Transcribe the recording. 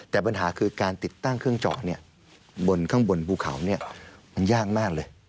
แต่ปัญหาคือการติดตั้งเครื่องเจาะบนข้างบนภูเขามันยากมากเลย